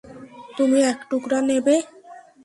তুমি এক টুকরা নেবে?